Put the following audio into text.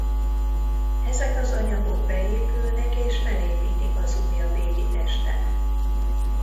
Ezek az anyagok beépülnek és felépítik az újabb égitestet.